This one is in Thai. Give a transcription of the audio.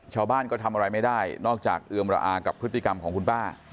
ชาวบ้านก็ทำอะไรไม่ได้นอกจากเอือมระอากับพฤติกรรมของคุณป้า